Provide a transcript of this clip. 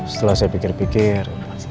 setelah saya pikir pikir